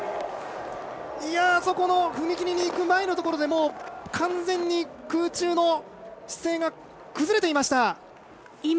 踏み切りに行く前のところで完全に空中の姿勢が崩れていました。